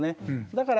だから、